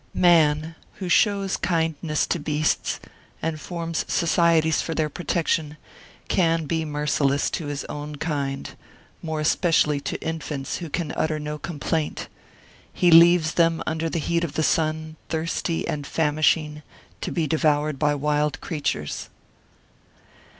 Man, who shows kind ness to beasts, and forms societies for their protec Martyred Armenia 23 tion, can be merciless to his own kind, more espe cially to infants who can utter no complaint; he leaves them under the heat of the sun, thirsty and famishing, to be devoured by wild creatures.